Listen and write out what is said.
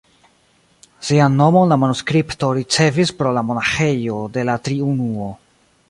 Sian nomon la manuskripto ricevis pro la monaĥejo de la Triunuo.